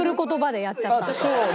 そう。